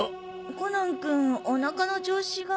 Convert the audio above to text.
コナン君お腹の調子が。